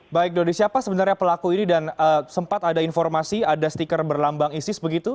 baik dodi siapa sebenarnya pelaku ini dan sempat ada informasi ada stiker berlambang isis begitu